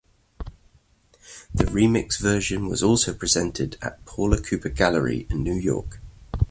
The remix version was also presented at Paula Cooper Gallery in New York.